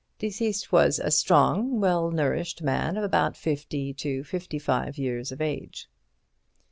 Deceased was a strong, well nourished man of about fifty to fifty five years of age."